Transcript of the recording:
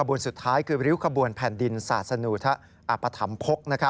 ขบวนสุดท้ายคือริวขบวนแผ่นดินสาธารณูทัพภัฯมพก